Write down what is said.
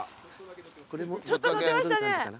ちょっと乗ってましたね。